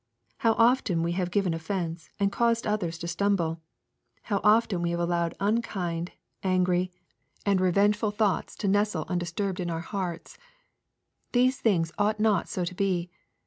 How often we have given offence, and caused others to stumble 1 How often we have allowed unkind, and angry, and revengeful 224 EXPOSITORY THOUGHTS. thoughts to nestle undisturbed in our hearts I These things ought not so to be.